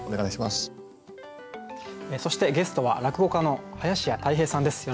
そしてゲストは落語家の林家たい平さんです。